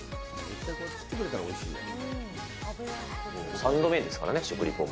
３度目ですからね、食リポも。